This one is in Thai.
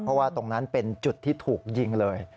เพราะว่าตรงนั้นเป็นจุดที่ถูกยิงเลย